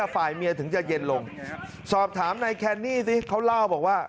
ฝ่ายเมียถึงจะเย็นลงสอบถามนายแคนนี่สิเขาเล่าบอกว่า